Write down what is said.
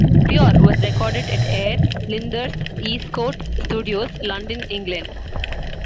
"Pure" was recorded at Air Lyndhurst, Eastcote Studios, London, England.